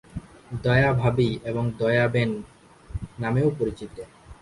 দয়া ভাবী এবং দয়া বেন নামেও পরিচিত।